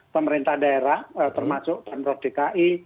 pemerintah daerah termasuk pemprov dki